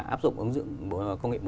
áp dụng ứng dụng công nghệ bốn